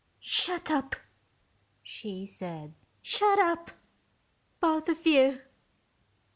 "Shut up!" she said. "Shut up, both of you!"